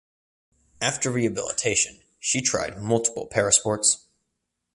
After rehabilitation she tried multiple Para sports.